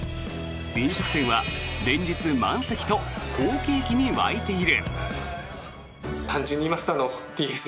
飲食店は連日、満席と好景気に沸いている。